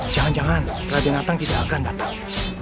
jangan jangan kerabian natang tidak akan datang